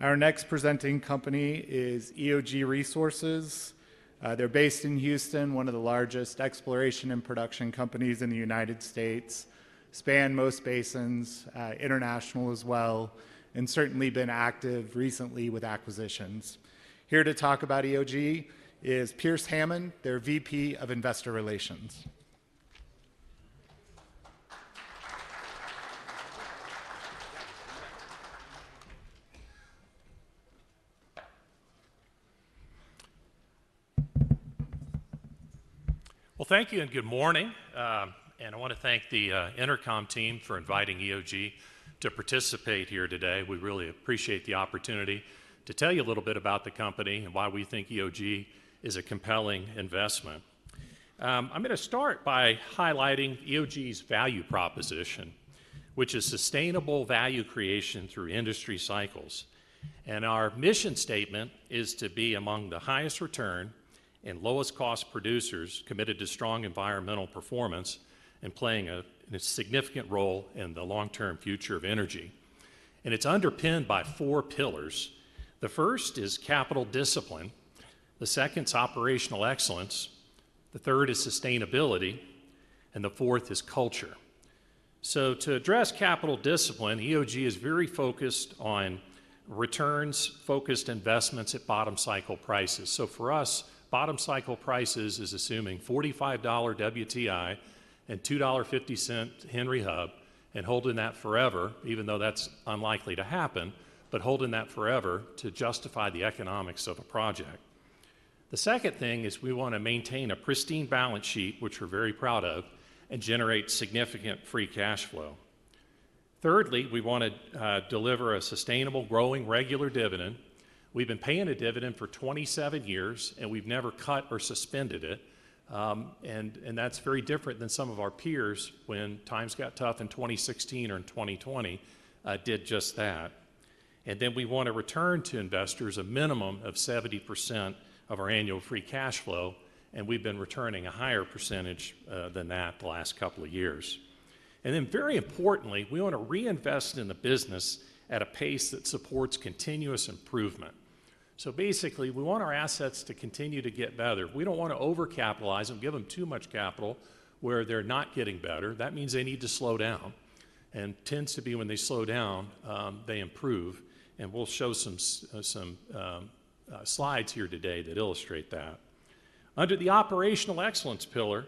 Our next presenting company is EOG Resources. They're based in Houston, one of the largest exploration and production companies in the U.S., span most basins, international as well, and certainly been active recently with acquisitions. Here to talk about EOG is Pearce Hammond, their VP of Investor Relations. Thank you and good morning. I want to thank the intercom team for inviting EOG to participate here today. We really appreciate the opportunity to tell you a little bit about the company and why we think EOG is a compelling investment. I'm going to start by highlighting EOG's value proposition, which is sustainable value creation through industry cycles. Our mission statement is to be among the highest return and lowest cost producers committed to strong environmental performance and playing a significant role in the long-term future of energy. It's underpinned by four pillars. The first is capital discipline, the second is operational excellence, the third is sustainability, and the fourth is culture. To address capital discipline, EOG is very focused on returns, focused investments at bottom cycle prices. For us, bottom cycle prices is assuming $45 WTI and $2.50 to HH and holding that forever, even though that's unlikely to happen, but holding that forever to justify the economics of a project. The second thing is we want to maintain a pristine balance sheet, which we're very proud of, and generate significant free cash flow. Thirdly, we want to deliver a sustainable, growing regular dividend. We've been paying a dividend for 27 years, and we've never cut or suspended it. That's very different than some of our peers when times got tough in 2016 or in 2020 did just that. We want to return to investors a minimum of 70% of our annual free cash flow, and we've been returning a higher percentage than that the last couple of years. Very importantly, we want to reinvest in the business at a pace that supports continuous improvement. Basically, we want our assets to continue to get better. We don't want to overcapitalize them, give them too much capital where they're not getting better. That means they need to slow down. It tends to be when they slow down, they improve. We'll show some slides here today that illustrate that. Under the operational excellence pillar,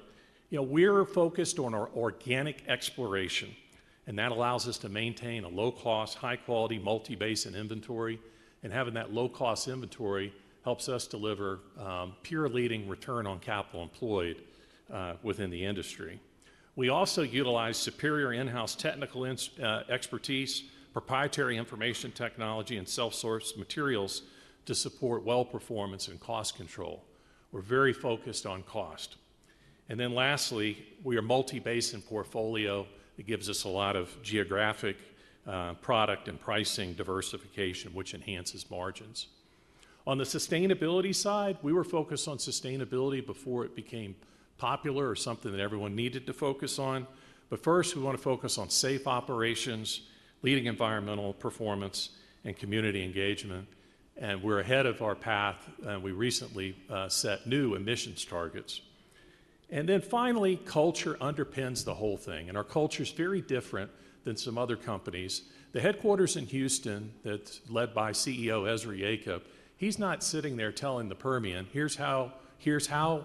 we're focused on our organic exploration, and that allows us to maintain a low-cost, high-quality multi-basin inventory. Having that low-cost inventory helps us deliver peer leading return on capital employed within the industry. We also utilize superior in-house technical expertise, proprietary information technology, and self-sourced materials to support well performance and cost control. We're very focused on cost. Lastly, we are a multi-basin portfolio that gives us a lot of geographic, product, and pricing diversification, which enhances margins. On the sustainability side, we were focused on sustainability before it became popular or something that everyone needed to focus on. First, we want to focus on safe operations, leading environmental performance, and community engagement. We're ahead of our path, and we recently set new emissions targets. Finally, culture underpins the whole thing. Our culture is very different than some other companies. The headquarters in Houston that's led by CEO Ezra Yacob, he's not sitting there telling the Permian, "Here's how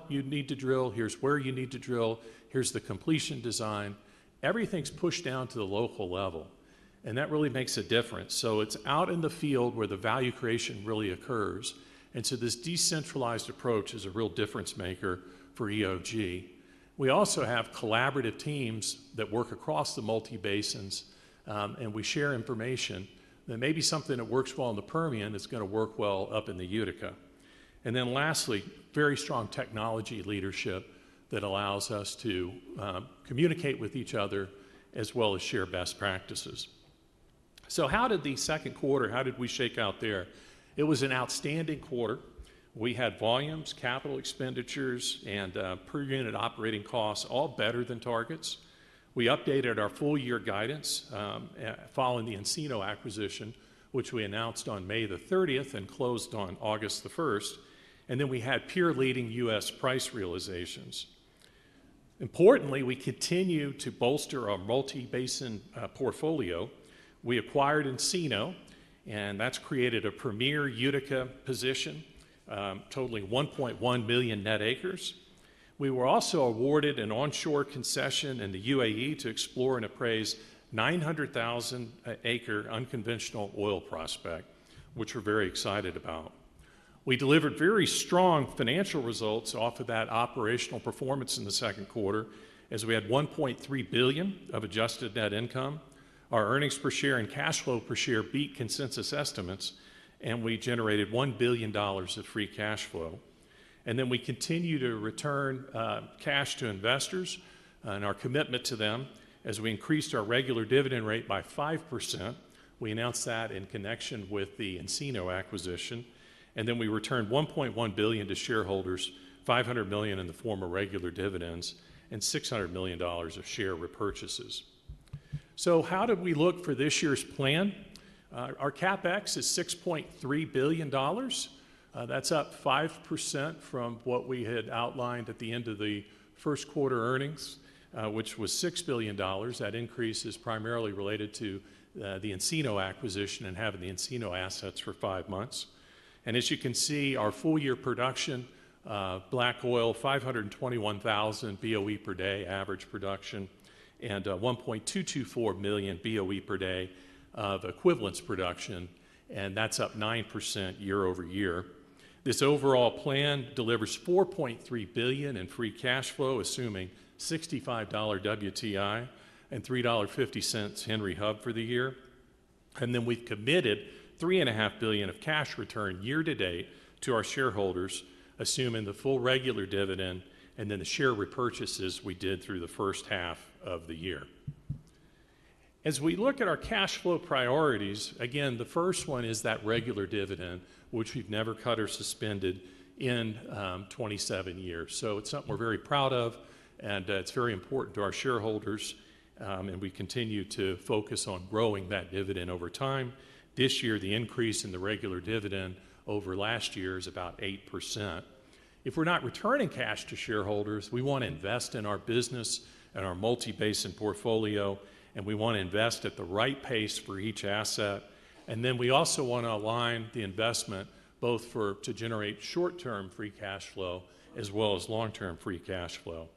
you need to drill, here's where you need to drill, here's the completion design." Everything's pushed down to the local level, and that really makes a difference. It's out in the field where the value creation really occurs. This decentralized approach is a real difference maker for EOG. We also have collaborative teams that work across the multi-basins, and we share information that may be something that works well in the Permian is going to work well up in the Utica. Lastly, very strong technology leadership allows us to communicate with each other as well as share best practices. How did the second quarter, how did we shake out there? It was an outstanding quarter. We had volumes, capital expenditures, and per unit operating costs all better than targets. We updated our full-year guidance following the Encino acquisition, which we announced on May 30th and closed on August 1st. We had pure leading U.S. price realizations. Importantly, we continue to bolster our multi-basin portfolio. We acquired Encino, and that's created a premier Utica position, totaling 1.1 million net acres. We were also awarded an onshore concession in the U.A.E. to explore and appraise a 900,000-acre unconventional oil prospect, which we're very excited about. We delivered very strong financial results off of that operational performance in the second quarter, as we had $1.3 billion of adjusted net income. Our earnings per share and cash flow per share beat consensus estimates, and we generated $1 billion of free cash flow. We continue to return cash to investors and our commitment to them as we increased our regular dividend rate by 5%. We announced that in connection with the Encino acquisition. We returned $1.1 billion to shareholders, $500 million in the form of regular dividends, and $600 million of share repurchases. How did we look for this year's plan? Our CapEx is $6.3 billion. That's up 5% from what we had outlined at the end of the first quarter earnings, which was $6 billion. That increase is primarily related to the Encino acquisition and having the Encino assets for five months. As you can see, our full-year production, Black Oil, 521 MBOD average production and 1.224 MBOED of equivalence production, and that's up 9% year-over-year. This overall plan delivers $4.3 billion in free cash flow, assuming $65 WTI and $3.50 HH for the year. We have committed $3.5 billion of cash return year to date to our shareholders, assuming the full regular dividend and the share repurchases we did through the first half of the year. As we look at our cash flow priorities, the first one is that regular dividend, which we've never cut or suspended in 27 years. It's something we're very proud of, and it's very important to our shareholders, and we continue to focus on growing that dividend over time. This year, the increase in the regular dividend over last year is about 8%. If we're not returning cash to shareholders, we want to invest in our business and our multi-basin portfolio, and we want to invest at the right pace for each asset. We also want to align the investment both to generate short-term free cash flow as well as long-term free cash flow.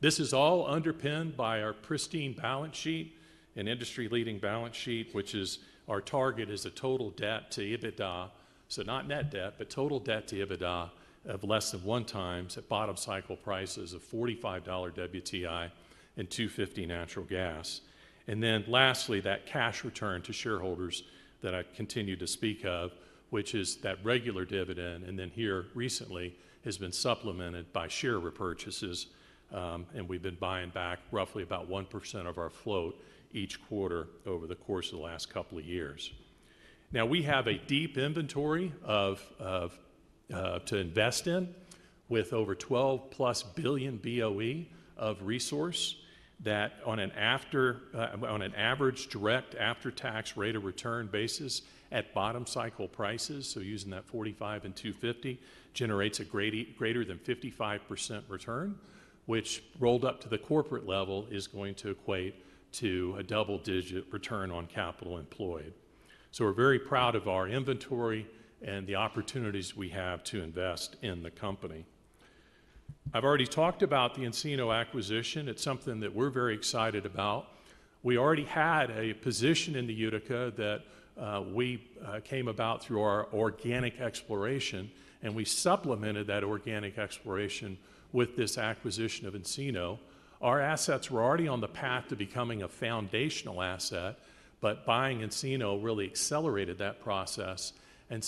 This is all underpinned by our pristine balance sheet, an industry-leading balance sheet, which is our target is a total debt to EBITDA, so not net debt, but total debt to EBITDA of less than one times at bottom cycle prices of $45 WTI and $2.50 natural gas. Lastly, that cash return to shareholders that I continue to speak of, which is that regular dividend, and here recently has been supplemented by share repurchases, and we've been buying back roughly about 1% of our float each quarter over the course of the last couple of years. We have a deep inventory to invest in with over 12+ billion BOE of resource that on an average direct after-tax rate of return basis at bottom cycle prices, so using that $45 and $2.50 generates a greater than 55% return, which rolled up to the corporate level is going to equate to a double-digit return on capital employed. We're very proud of our inventory and the opportunities we have to invest in the company. I've already talked about the Encino acquisition. It's something that we're very excited about. We already had a position in the Utica that we came about through our organic exploration, and we supplemented that organic exploration with this acquisition of Encino. Our assets were already on the path to becoming a foundational asset, but buying Encino really accelerated that process.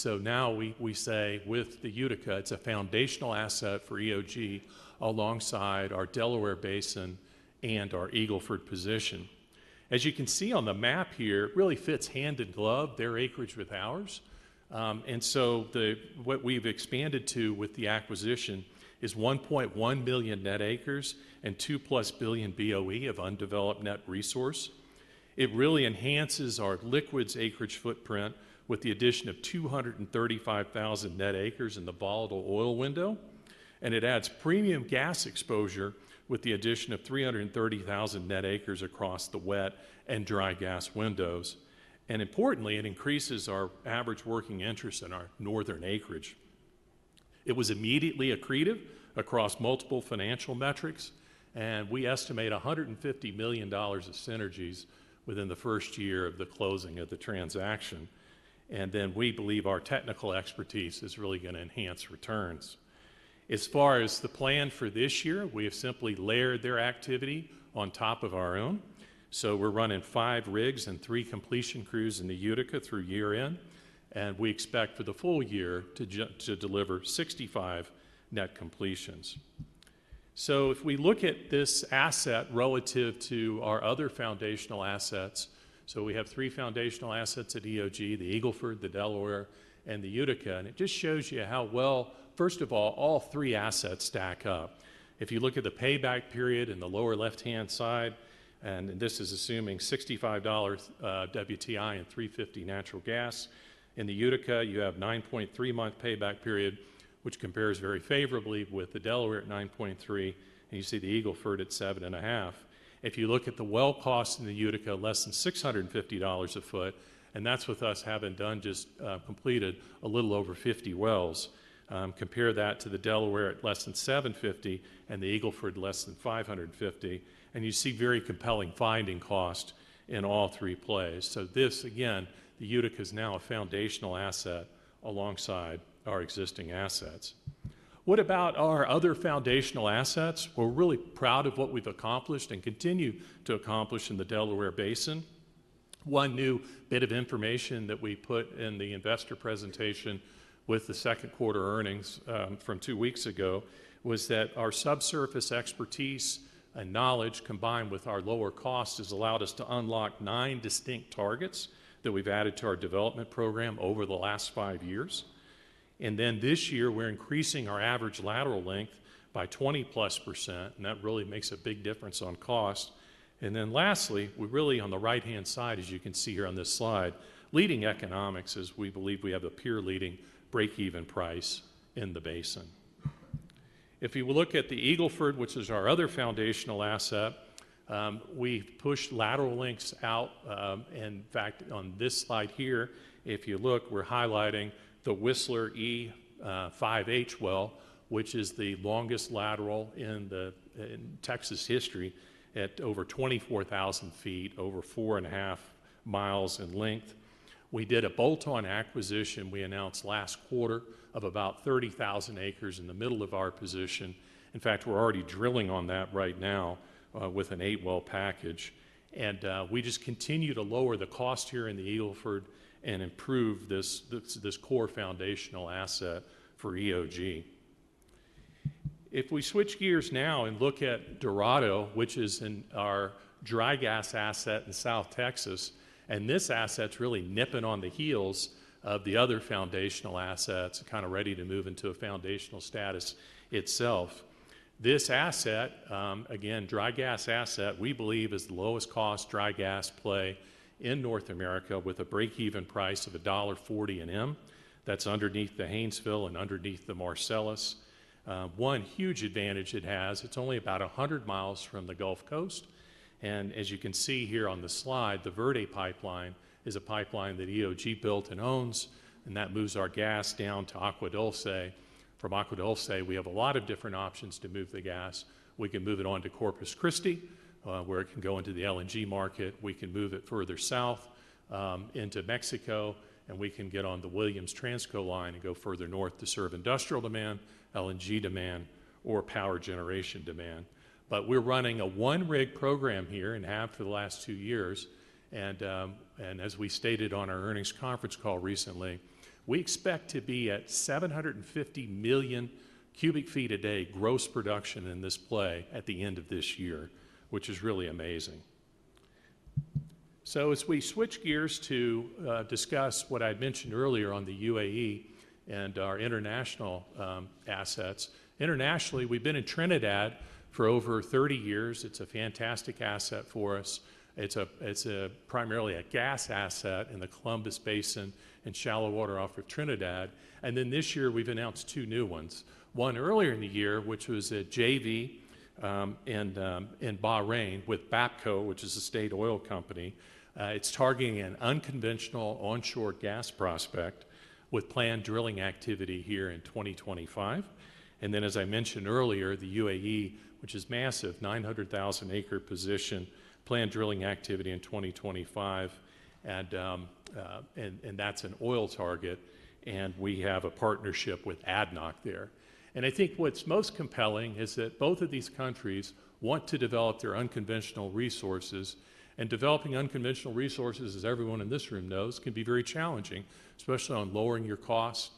Now we say with the Utica, it's a foundational asset for EOG alongside our Delaware Basin and our Eagle Ford position. As you can see on the map here, it really fits hand in glove, their acreage with ours. What we've expanded to with the acquisition is 1.1 million net acres and 2+ billion BOE of undeveloped net resource. It really enhances our liquids acreage footprint with the addition of 235,000 net acres in the volatile oil window, and it adds premium gas exposure with the addition of 330,000 net acres across the wet and dry gas windows. Importantly, it increases our average working interest in our northern acreage. It was immediately accretive across multiple financial metrics, and we estimate $150 million of synergies within the first year of the closing of the transaction. We believe our technical expertise is really going to enhance returns. As far as the plan for this year, we have simply layered their activity on top of our own. We're running five rigs and three completion crews in the Utica through year end, and we expect for the full year to deliver 65 net completions. If we look at this asset relative to our other foundational assets, we have three foundational assets at EOG, the Eagle Ford, the Delaware Basin, and the Utica, and it just shows you how well, first of all, all three assets stack up. If you look at the payback period in the lower left-hand side, and this is assuming $65 WTI and $3.50 natural gas, in the Utica, you have a 9.3 month payback period, which compares very favorably with the Delaware Basin at 9.3, and you see the Eagle Ford at 7.5. If you look at the well cost in the Utica, less than $650/ft, and that's with us having just completed a little over 50 wells, compare that to the Delaware Basin at less than $750/ft and the Eagle Ford less than $550/ft, and you see very compelling finding cost in all three plays. The Utica is now a foundational asset alongside our existing assets. What about our other foundational assets? We're really proud of what we've accomplished and continue to accomplish in the Delaware Basin. One new bit of information that we put in the investor presentation with the second quarter earnings from two weeks ago was that our subsurface expertise and knowledge combined with our lower cost has allowed us to unlock nine distinct targets that we've added to our development program over the last five years. This year, we're increasing our average lateral length by 20%+, and that really makes a big difference on cost. Lastly, on the right-hand side, as you can see here on this slide, leading economics is we believe we have a pure leading break-even price in the basin. If you look at the Eagle Ford, which is our other foundational asset, we've pushed lateral lengths out. In fact, on this slide here, if you look, we're highlighting the Whistler E #5H well, which is the longest lateral in Texas history at over 24,000 ft, over 4.5 mi in length. We did a bolt-on acquisition we announced last quarter of about 30,000 acres in the middle of our position. In fact, we're already drilling on that right now with an eight-well package. We just continue to lower the cost here in the Eagle Ford and improve this core foundational asset for EOG. If we switch gears now and look at Dorado, which is our dry gas asset in South Texas, this asset's really nipping on the heels of the other foundational assets, kind of ready to move into a foundational status itself. This asset, again, dry gas asset, we believe is the lowest cost dry gas play in North America with a break-even price of $1.40/mcf that's underneath the Haynesville and underneath the Marcellus. One huge advantage it has, it's only about 100 mi from the Gulf Coast. As you can see here on the slide, the Verde Pipeline is a pipeline that EOG built and owns, and that moves our gas down to Agua Dulce. From Agua Dulce, we have a lot of different options to move the gas. We can move it on to Corpus Christi, where it can go into the LNG market. We can move it further south into Mexico, and we can get on the Williams Transco line and go further north to serve industrial demand, LNG demand, or power generation demand. We're running a one-rig program here and have for the last two years. As we stated on our earnings conference call recently, we expect to be at 750 million cu ft a day gross production in this play at the end of this year, which is really amazing. As we switch gears to discuss what I'd mentioned earlier on the U.A.E. and our international assets, internationally, we've been in Trinidad for over 30 years. It's a fantastic asset for us. It's primarily a gas asset in the Columbus Basin and shallow water off of Trinidad. This year, we've announced two new ones. One earlier in the year, which was a JV in Bahrain with Bapco, which is a state oil company. It's targeting an unconventional onshore gas prospect with planned drilling activity here in 2025. As I mentioned earlier, the U.A.E., which is massive, 900,000-acre position, planned drilling activity in 2025. That's an oil target. We have a partnership with ADNOC there. I think what's most compelling is that both of these countries want to develop their unconventional resources. Developing unconventional resources, as everyone in this room knows, can be very challenging, especially on lowering your costs,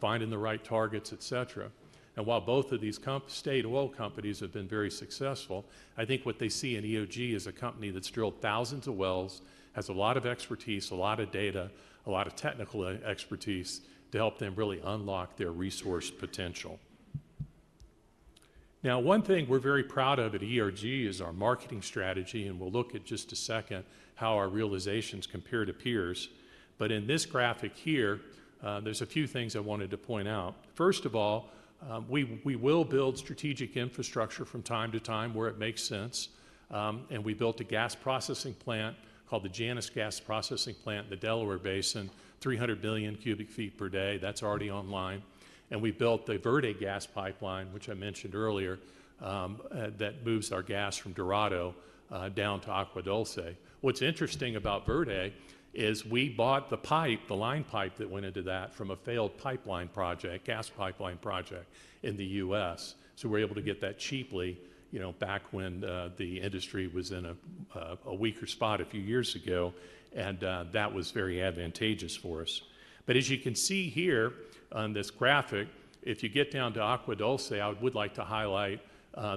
finding the right targets, et cetera. While both of these state oil companies have been very successful, I think what they see in EOG is a company that's drilled thousands of wells, has a lot of expertise, a lot of data, a lot of technical expertise to help them really unlock their resource potential. One thing we're very proud of at EOG is our marketing strategy, and we'll look at just a second how our realizations compare to peers. In this graphic here, there's a few things I wanted to point out. First of all, we will build strategic infrastructure from time to time where it makes sense. We built a gas processing plant called the Janus Gas Processing Plant in the Delaware Basin, 300 million cu ft per day. That's already online. We built the Verde gas pipeline, which I mentioned earlier, that moves our gas from Dorado down to Agua Dulce. What's interesting about Verde is we bought the line pipe that went into that from a failed pipeline project, gas pipeline project in the U.S. We were able to get that cheaply, back when the industry was in a weaker spot a few years ago. That was very advantageous for us. As you can see here on this graphic, if you get down to Agua Dulce, I would like to highlight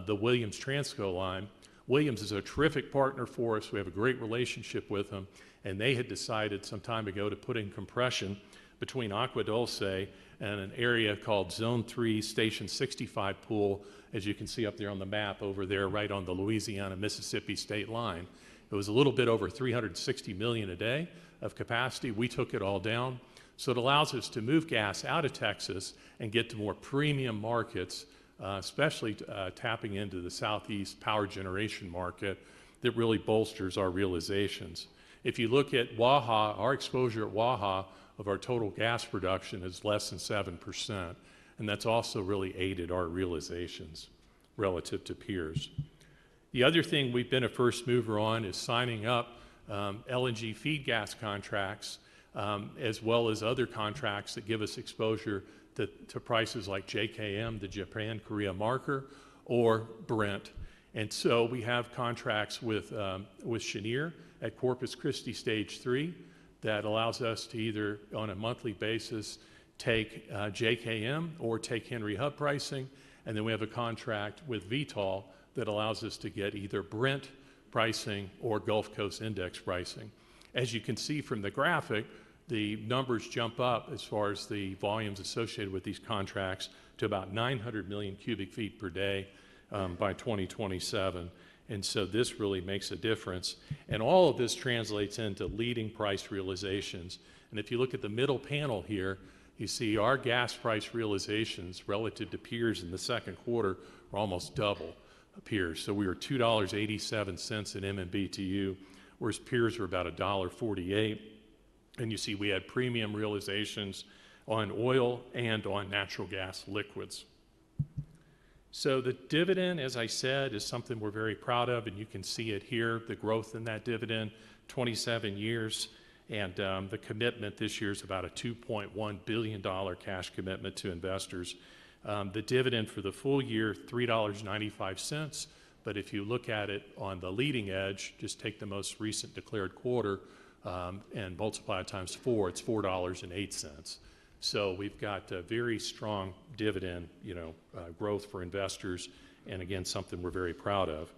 the Williams Transco line. Williams is a terrific partner for us. We have a great relationship with them. They had decided some time ago to put in compression between Agua Dulce and an area called Zone 3 St. 65 Pool, as you can see up there on the map over there, right on the Louisiana-Mississippi state line. It was a little bit over 360 million a day of capacity. We took it all down. It allows us to move gas out of Texas and get to more premium markets, especially tapping into the Southeast power generation market that really bolsters our realizations. If you look at Waha, our exposure at Waha of our total gas production is less than 7%. That has also really aided our realizations relative to peers. The other thing we've been a first mover on is signing up LNG feed gas contracts, as well as other contracts that give us exposure to prices like JKM, the Japan-Korea marker, or Brent. We have contracts with Cheniere at Corpus Christi Stage III that allows us to either, on a monthly basis, take JKM or take Henry Hub pricing. We have a contract with Vitol that allows us to get either Brent pricing or Gulf Coast index pricing. As you can see from the graphic, the numbers jump up as far as the volumes associated with these contracts to about 900 million cu ft per day by 2027. This really makes a difference. All of this translates into leading price realizations. If you look at the middle panel here, you see our gas price realizations relative to peers in the second quarter are almost double peers. We were $2.87 in MMBtu, whereas peers were about $1.48. You see we had premium realizations on oil and on natural gas liquids. The dividend, as I said, is something we're very proud of. You can see it here, the growth in that dividend, 27 years, and the commitment this year is about a $2.1 billion cash commitment to investors. The dividend for the full year, $3.95. If you look at it on the leading edge, just take the most recent declared quarter and multiply it times four, it's $4.08. We've got a very strong dividend, you know, growth for investors. Again, something we're very proud of.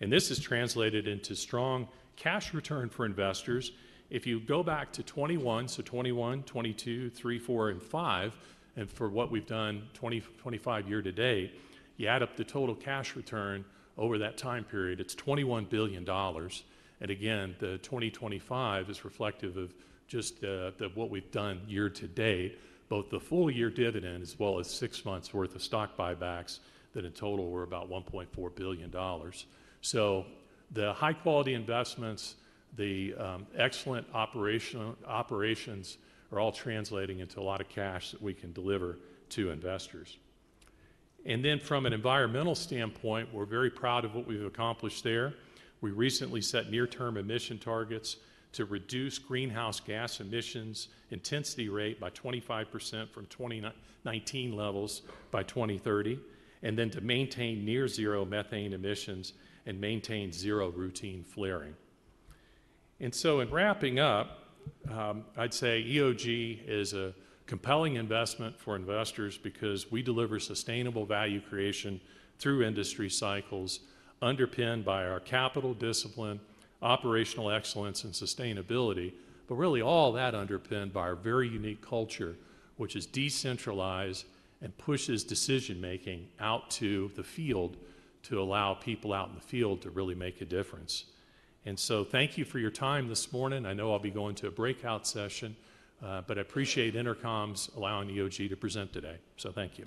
This is translated into strong cash return for investors. If you go back to 2021, so 2021, 2022, 2023, 2024, and 2025, and for what we've done 2025 year to date, you add up the total cash return over that time period, it's $21 billion. The 2025 is reflective of just what we've done year to date, both the full year dividend as well as six months' worth of stock buybacks that in total were about $1.4 billion. The high-quality investments and the excellent operations are all translating into a lot of cash that we can deliver to investors. From an environmental standpoint, we're very proud of what we've accomplished there. We recently set near-term emission targets to reduce greenhouse gas emissions intensity rate by 25% from 2019 levels by 2030, and to maintain near-zero methane emissions and maintain zero routine flaring. In wrapping up, I'd say EOG is a compelling investment for investors because we deliver sustainable value creation through industry cycles underpinned by our capital discipline, operational excellence, and sustainability, but really all that underpinned by our very unique culture, which is decentralized and pushes decision-making out to the field to allow people out in the field to really make a difference. Thank you for your time this morning. I know I'll be going to a breakout session, but I appreciate Intercom's allowing EOG to present today. Thank you.